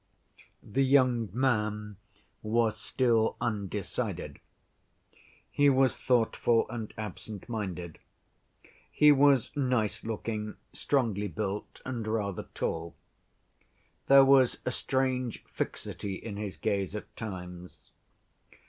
The young man was still undecided. He was thoughtful and absent‐minded. He was nice‐ looking, strongly built, and rather tall. There was a strange fixity in his gaze at times.